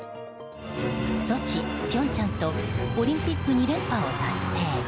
ソチ、平昌とオリンピック２連覇を達成。